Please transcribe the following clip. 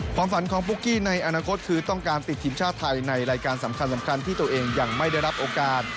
ความฝันของปุ๊กกี้ในอนาคตคือต้องการติดทีมชาติไทยในรายการสำคัญที่ตัวเองยังไม่ได้รับโอกาส